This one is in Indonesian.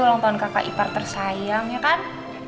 ulang tahun kakak ipar tersayang ya kan